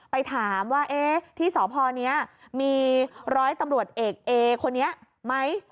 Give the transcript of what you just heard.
ไปถามว่าที่สพนี้มีร้อยตำรวจเอกเอคนนี้ไหม